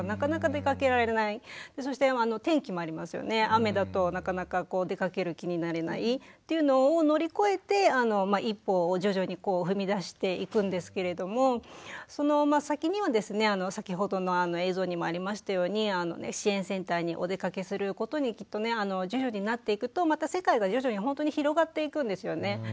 雨だとなかなか出かける気になれないっていうのを乗り越えて一歩を徐々に踏み出していくんですけれどもその先にはですね先ほどの映像にもありましたように支援センターにお出かけすることにきっとね徐々になっていくとまた世界が徐々にほんとに広がっていくんですよね。